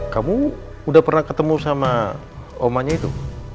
kamu udah pernah ketemu sama omannya itu